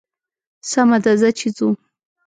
سمه ده ځه چې ځو.